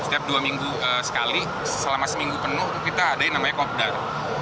setiap dua minggu sekali selama seminggu penuh kita ada yang namanya kopdar